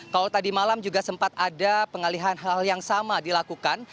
kalau tadi malam juga sempat ada pengalihan hal yang sama dilakukan